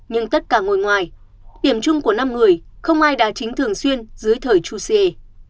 nhưng tất cả ngồi ngoài điểm chung của năm người không ai đã chính thường xuyên dưới thời chú siê